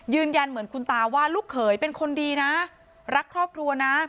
ยืนยันเหมือนคุณตาว่าลูกเขยเป็นคนดีนะรักครอบครัวนะ